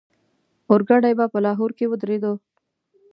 اورګاډی به په لاهور کې ودرېدو.